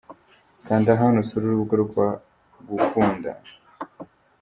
Kanda hano usure urubuga rwa Gukunda.